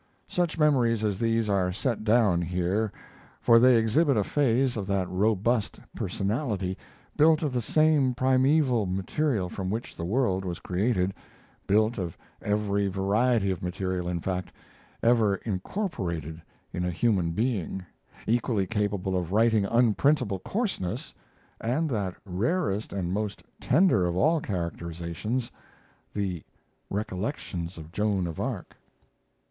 Such memories as these are set down here, for they exhibit a phase of that robust personality, built of the same primeval material from which the world was created built of every variety of material, in fact, ever incorporated in a human being equally capable of writing unprintable coarseness and that rarest and most tender of all characterizations, the 'Recollections of JOAN of ARC'.